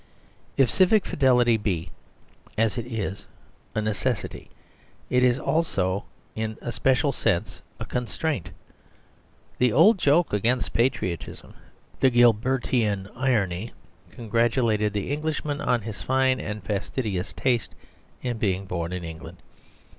If civic fidelity be, as it is, a necessity, it is also in a special sense a constraint The old joke against patriotism, the Gilbertian irony, congratulated the Englishman on his fine and fastidious taste in being born in England.